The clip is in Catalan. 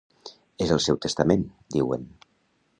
És el seu testament, diuen.